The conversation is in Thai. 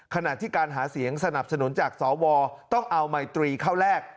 ขณะที่การหาเสียงสนับสนุนจากสวต้องเอาไมตรีเข้าแรก